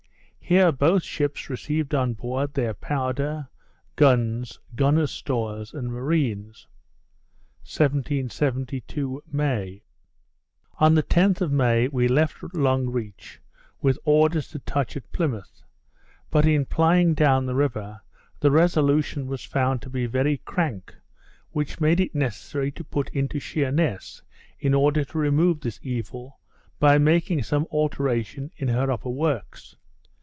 Here both ships received on board their powder, guns, gunners' stores, and marines. 1772 May On the 10th of May we left Long Reach, with orders to touch at Plymouth; but in plying down the river, the Resolution was found to be very crank, which made it necessary to put into Sheerness in order to remove this evil, by making some alteration in her upper works.